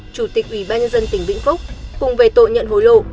chủ tịch ủy ban nhân dân tỉnh vĩnh phúc cùng về tội nhận hối lộ